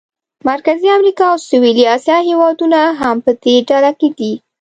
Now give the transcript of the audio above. مرکزي امریکا او سویلي اسیا هېوادونه هم په دې ډله کې دي.